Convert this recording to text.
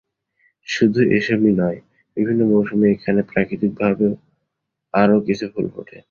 শুধু এসবই নয়, বিভিন্ন মৌসুমে এখানে প্রাকৃতিকভাবেও আরও কিছু ফুল ফোটে।